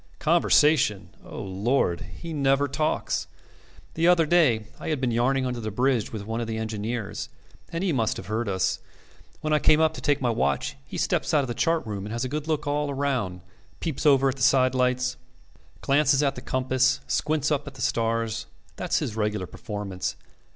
Conversation! O Lord! He never talks. The other day I had been yarning under the bridge with one of the engineers, and he must have heard us. When I came up to take my watch, he steps out of the chart room and has a good look all round, peeps over at the sidelights, glances at the compass, squints upward at the stars. That's his regular performance.